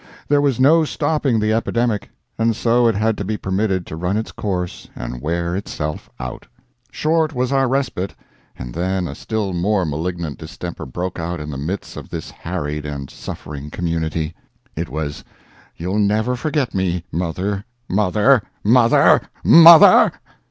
There was no stopping the epidemic, and so it had to be permitted to run its course and wear itself out. Short was our respite, and then a still more malignant distemper broke out in the midst of this harried and suffering community. It was "You'll not forget me, mother, mother, mother, mother!"